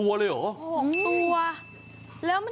อ่าวดูน่ะได้ยินมา๖ตัวเลยหรือ